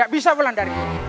gak bisa wulandari